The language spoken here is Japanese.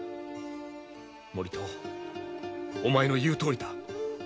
盛遠お前の言うとおりだ。